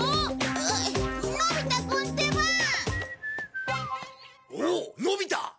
あのび太くんってば！おうのび太。